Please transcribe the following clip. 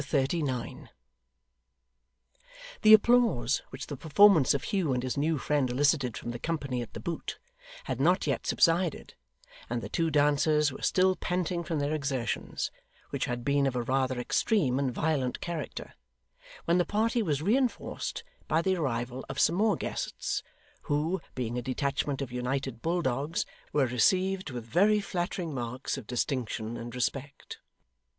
Chapter 39 The applause which the performance of Hugh and his new friend elicited from the company at The Boot, had not yet subsided, and the two dancers were still panting from their exertions, which had been of a rather extreme and violent character, when the party was reinforced by the arrival of some more guests, who, being a detachment of United Bulldogs, were received with very flattering marks of distinction and respect.